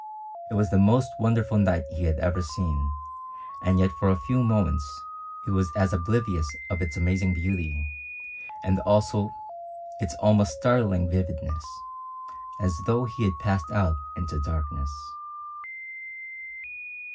It was the most wonderful night he had ever seen, and yet for a few moments he was as oblivious of its amazing beauty, its almost startling vividness, as though he had passed out into darkness.